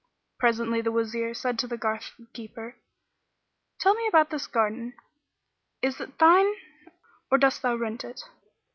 Presently the Wazir said to the garth keeper, "Tell me about this garden: is it thine or dost thou rent it?"